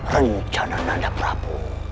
rencana nada prabu